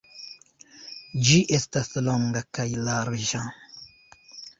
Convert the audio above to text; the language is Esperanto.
Ĝi estas longa kaj larĝa.